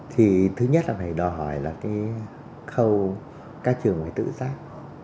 thì thứ nhất là phải đòi hỏi là cái khâu các trường phải tự giác